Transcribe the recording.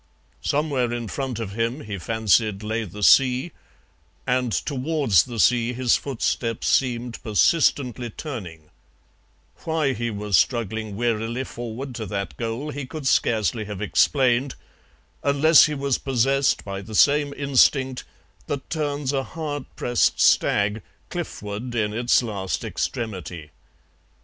Somewhere in front of him, he fancied, lay the sea, and towards the sea his footsteps seemed persistently turning; why he was struggling wearily forward to that goal he could scarcely have explained, unless he was possessed by the same instinct that turns a hard pressed stag cliffward in its last extremity.